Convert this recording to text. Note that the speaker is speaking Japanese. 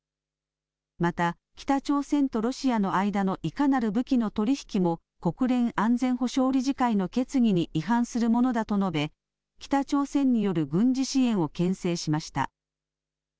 また北朝鮮とロシアの間のいかなる武器の取り引きも国連安全保障理事会の決議に違反するものだと述べ、北朝鮮による軍事支援をけん制しました。